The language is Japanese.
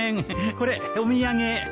これお土産。